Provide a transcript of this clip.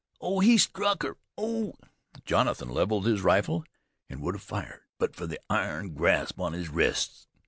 Oh! He struck her! Oh!" Jonathan leveled his rifle and would have fired, but for the iron grasp on his wrist.